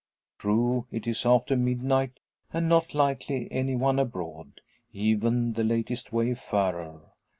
True, it is after midnight, and not likely any one abroad even the latest wayfarer.